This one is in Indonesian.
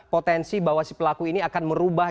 potensi bahwa si pelaku ini akan merubah